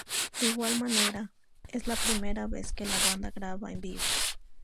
De igual manera, es la primera vez que la banda graba en vivo.